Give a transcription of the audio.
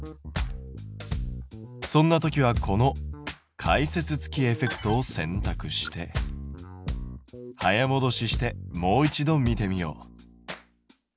そんな時はこの解説付きエフェクトを選択して早もどししてもう一度見てみよう。